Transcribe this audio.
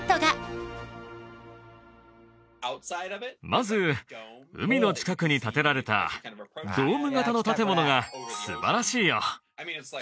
まず海の近くに建てられたドーム形の建ものが素晴らしいよ。